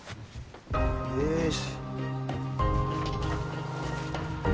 よし。